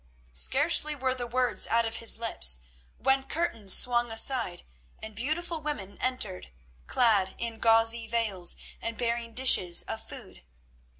Scarcely were the words out of his lips when curtains swung aside and beautiful women entered, clad in gauzy veils and bearing dishes of food.